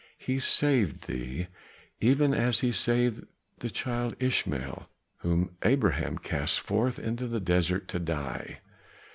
He saved thee, even as he saved the child Ishmael, whom Abraham cast forth into the desert to die.